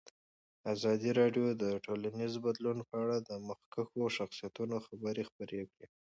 ازادي راډیو د ټولنیز بدلون په اړه د مخکښو شخصیتونو خبرې خپرې کړي.